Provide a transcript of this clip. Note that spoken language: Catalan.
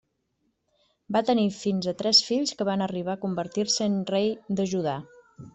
Va tenir fins a tres fills que van arribar a convertir-se en rei de Judà.